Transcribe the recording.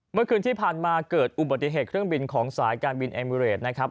เมื่อคืนที่ผ่านมาเกิดอุบัติเหตุเครื่องบินของสายการบินเอมิเรดนะครับ